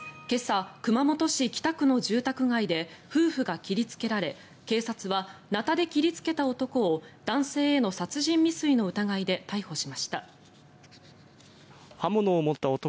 今朝、熊本市北区の住宅街で夫婦が切りつけられ警察はなたで切りつけた男を男性への殺人未遂の疑いで逮捕しました。